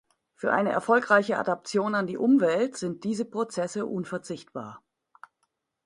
Für eine erfolgreiche Adaptation an die Umwelt sind diese Prozesse unverzichtbar.